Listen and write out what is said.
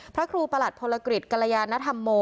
พระครูประหลัดพลกฤษกรยานธรรมโม